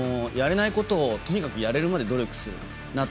やれないことをとにかくやれるまで努力する。